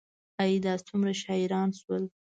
ای، دا څومره شاعران شول